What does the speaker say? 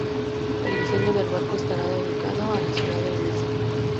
El diseño del barco estará dedicado a la ciudad de Venecia.